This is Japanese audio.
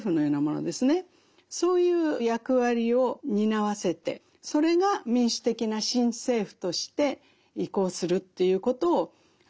そういう役割を担わせてそれが民主的な新政府として移行するということを期待していました。